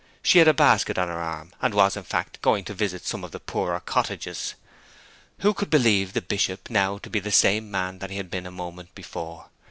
She had a basket on her arm, and was, in fact, going to visit some of the poorer cottages. Who could believe the Bishop now to be the same man that he had been a moment before?